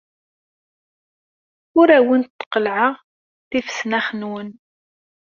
Ur awent-d-qellɛeɣ tifesnax-nwen.